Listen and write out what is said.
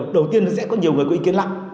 đầu tiên là sẽ có nhiều người có ý kiến lắm